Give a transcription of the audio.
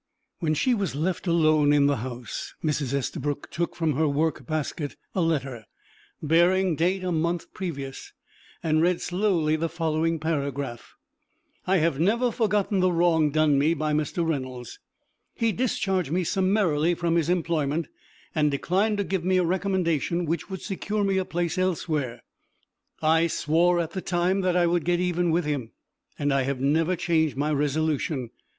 When she was left alone in the house Mrs. Estabrook took from her workbasket a letter, bearing date a month previous, and read slowly the following paragraph: "I have never forgotten the wrong done me by Mr. Reynolds. He discharged me summarily from his employment and declined to give me a recommendation which would secure me a place elsewhere. I swore at the time that I would get even with him, and I have never changed my resolution.